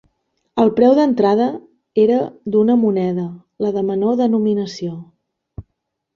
El preu d'entrada era d'una moneda, la de menor denominació.